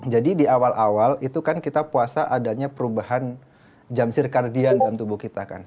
jadi di awal awal itu kan kita puasa adanya perubahan jam sirkardian dalam tubuh kita kan